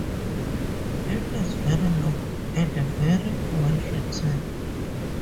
It is very long and very well written.